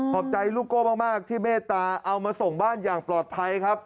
บใจลูกโก้มากที่เมตตาเอามาส่งบ้านอย่างปลอดภัยครับ